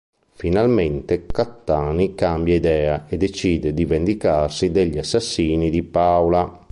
Finalmente Cattani cambia idea e decide di vendicarsi degli assassini di Paola.